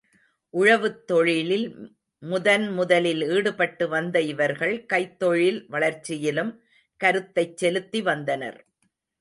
உழவுத் தொழிலில் முதன் முதலில் ஈடுபட்டு வந்த இவர்கள் கைத்தொழில் வளர்ச்சியிலும் கருத்தைச் செலுத்தி வந்தனர்.